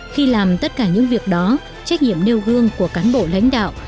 khi làm tất cả những việc đó trách nhiệm nêu gương của cán bộ lãnh đạo